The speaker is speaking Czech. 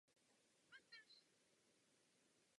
Žije v Petrohradu.